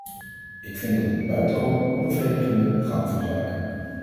Ik vind dat een buitengewoon onbevredigende gang van zaken.